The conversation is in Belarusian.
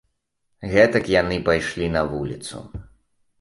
Гэтак яны пайшлі на вуліцу.